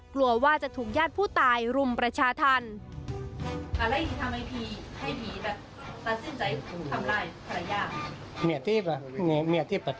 กลัวว่าจะถูกญาติผู้ตายรุมประชาธรรม